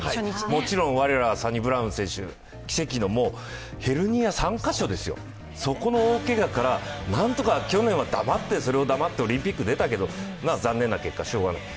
もちろん我らがサニブラウン選手、奇跡の、ヘルニア３カ所ですよ、そこの大けがから何とか去年は黙ってオリンピックに出たけど残念な結果、しようがない。